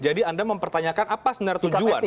jadi anda mempertanyakan apa sebenarnya tujuan